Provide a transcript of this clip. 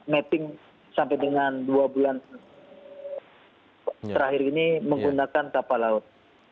mapping sampai dengan dua bulan terakhir ini menggunakan kapal laut